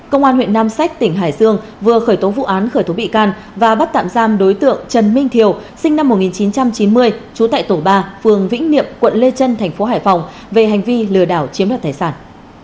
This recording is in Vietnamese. công an huyện nam sách tỉnh hải dương vừa khởi tố vụ án khởi tố bị can và bắt tạm giam đối tượng trần minh thiều sinh năm một nghìn chín trăm chín mươi trú tại tổ ba phường vĩnh niệm quận lê trân thành phố hải phòng về hành vi lừa đảo chiếm đoạt tài sản